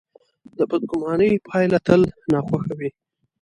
د بدګمانۍ پایله تل ناخوښه وي.